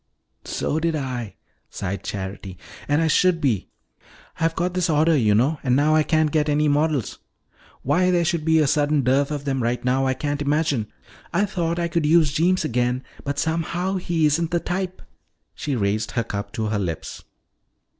"So did I," sighed Charity. "And I should be. I've got this order, you know, and now I can't get any models. Why there should be a sudden dearth of them right now, I can't imagine. I thought I could use Jeems again, but somehow he isn't the type." She raised her cup to her lips.